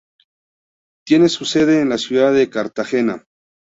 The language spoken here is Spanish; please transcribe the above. Tiene su sede en la ciudad de Cartagena.